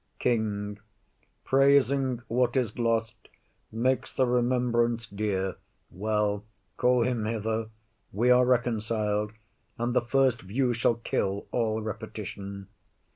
KING. Praising what is lost Makes the remembrance dear. Well, call him hither; We are reconcil'd, and the first view shall kill All repetition.